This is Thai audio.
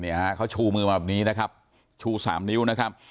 ฮะเขาชูมือมาแบบนี้นะครับชูสามนิ้วนะครับ